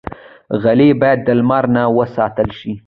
غلۍ باید د لمر نه وساتل شي.